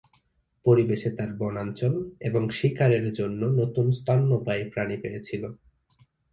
পরিবেশে তারা বনাঞ্চল এবং শিকারের জন্য নতুন স্তন্যপায়ী প্রাণী পেয়েছিল।